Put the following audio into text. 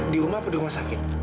di rumah atau di rumah sakit